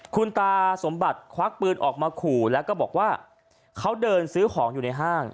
คุณตาสมบัติควักปืนออกมาขู่แล้วก็บอกว่าเขาเดินซื้อของอยู่ในห้าง